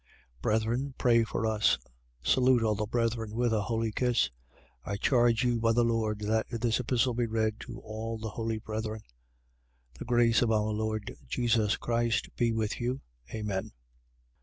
5:25. Brethren, pray for us. 5:26. Salute all the brethren with a holy kiss. 5:27. I charge you by the Lord that this epistle be read to all the holy brethren. 5:28. The grace of our Lord Jesus Christ be with you. Amen.